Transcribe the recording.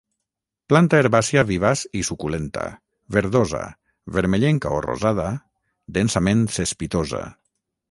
Planta herbàcia vivaç i suculenta, verdosa, vermellenca o rosada, densament cespitosa.